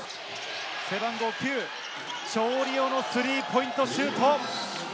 背番号９、チュリオのスリーポイントシュート。